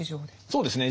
そうですね。